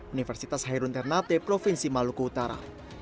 universitas hairun ternate provinsi maluku utara